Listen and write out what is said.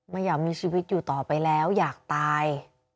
ไม่อยากมีชีวิตอยู่ต่อไปแล้วอยากตาย